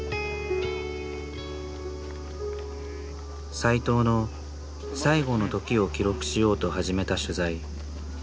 斎藤の最後の時を記録しようと始めた取材。